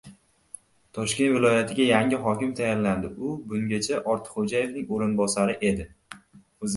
Toshkent viloyatiga yangi hokim tayinlandi. U bungacha Ortiqxo‘jayevning o‘rinbosari edi